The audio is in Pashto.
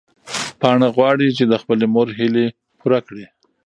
پاڼه غواړي چې د خپلې مور هیلې پوره کړي.